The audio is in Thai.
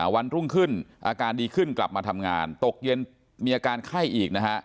วันรุ่งขึ้นอาการดีขึ้นกลับมาทำงานตกเย็นมีอาการไข้อีกนะฮะ